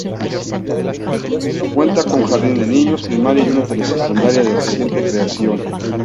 Cuenta con Jardín de Niños, Primaria y una Telesecundaria de reciente creación.